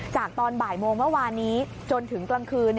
ตอนบ่ายโมงเมื่อวานนี้จนถึงกลางคืน